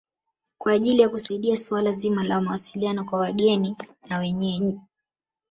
Kwa ajili ya kusaidia suala zima la mawasiliano kwa wageni na wenyeji